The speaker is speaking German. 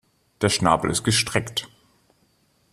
Der Schnabel ist gestreckt.